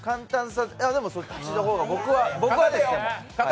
でも、そっちの方が、僕はですよ。